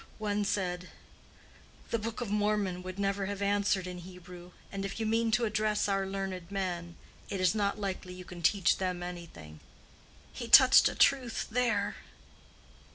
One said, 'The book of Mormon would never have answered in Hebrew; and if you mean to address our learned men, it is not likely you can teach them anything.' He touched a truth there."